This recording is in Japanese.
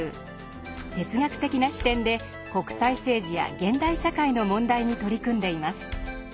哲学的な視点で国際政治や現代社会の問題に取り組んでいます。